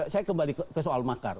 saya kembali ke soal makar